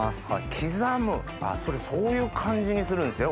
刻むあぁそれそういう感じにするんですね